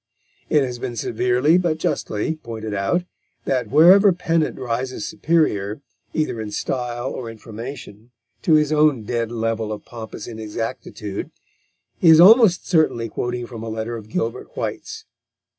It has been severely, but justly, pointed out that wherever Pennant rises superior, either in style or information, to his own dead level of pompous inexactitude, he is almost certainly quoting from a letter of Gilbert White's.